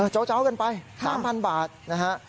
เจ้ากันไป๓๐๐บาทนะฮะ